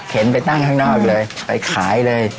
ไปตั้งข้างนอกเลยไปขายเลย